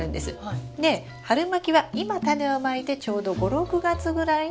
で春まきは今タネをまいてちょうど５６月ぐらいに収穫できるんですよ。